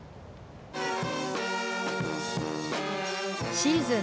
シーズン